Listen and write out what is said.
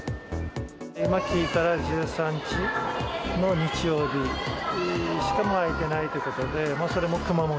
今聞いたら、１３日の日曜日しかもう空いていないということで、それも熊本。